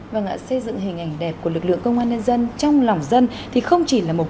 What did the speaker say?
vâng ạ xây dựng hình ảnh đẹp của lực lượng công an nhân dân trong lòng dân thì không chỉ là mục